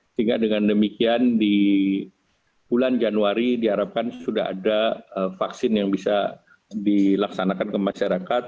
sehingga dengan demikian di bulan januari diharapkan sudah ada vaksin yang bisa dilaksanakan ke masyarakat